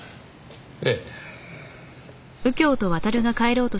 ええ。